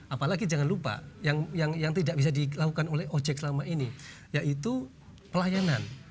apalagi jangan lupa yang tidak bisa dilakukan oleh ojek selama ini yaitu pelayanan